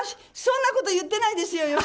そんなこと言ってないですよ